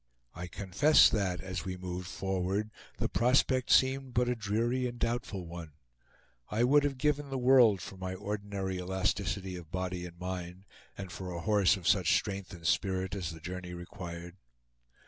I confess that, as we moved forward, the prospect seemed but a dreary and doubtful one. I would have given the world for my ordinary elasticity of body and mind, and for a horse of such strength and spirit as the journey required.